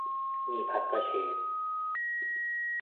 หมี่ผัดกระเฉด